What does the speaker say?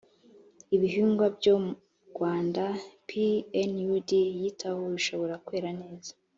ibihingwa byo rwanda pnud yitaho bishobora kwera neza